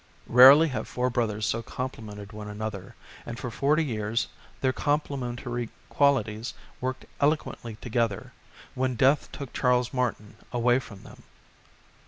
Rarely have four brothers so complemented one another, and for forty years their complementary qualities worked eloquently together, when death took Charles Martin away from them.